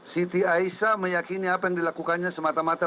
siti aisyah meyakini apa yang dilakukannya semata mata